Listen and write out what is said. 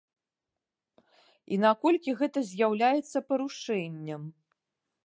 І наколькі гэта з'яўляецца парушэннем?